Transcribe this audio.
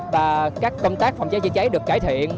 và các công tác phòng chế chơi cháy được cải thiện